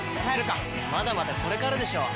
まだまだこれからでしょ！